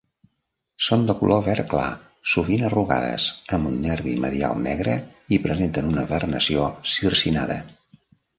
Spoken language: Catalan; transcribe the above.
Són de color verd clar, sovint arrugades, amb un nervi medial negre, i presenten una vernació circinada.